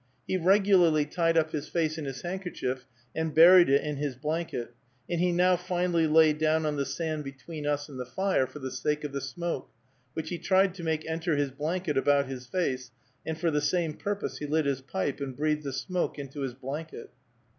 He regularly tied up his face in his handkerchief, and buried it in his blanket, and he now finally lay down on the sand between us and the fire for the sake of the smoke, which he tried to make enter his blanket about his face, and for the same purpose he lit his pipe and breathed the smoke into his blanket.